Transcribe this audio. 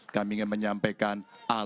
kami ingin menyampaikan